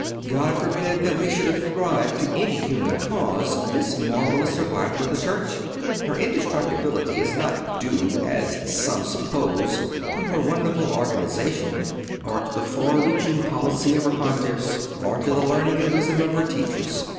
(111) God forbid that we should ascribe to any human cause this marvellous survival of the Church. Her indestructibility is not due, as some suppose, to her wonderful organization, or to the far reaching policy of her Pontiffs, or to the learning and wisdom of her teachers.